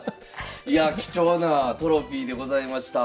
いやあ貴重なトロフィーでございました。